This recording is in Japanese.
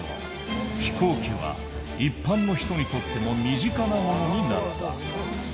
飛行機は一般の人にとっても身近なものになった。